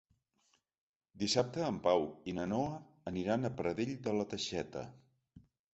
Dissabte en Pau i na Noa aniran a Pradell de la Teixeta.